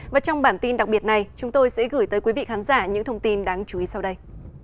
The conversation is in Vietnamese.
và trong bản tin đặc biệt này chúng tôi sẽ gửi tới quý vị khán giả những thông tin đáng chú ý sau đây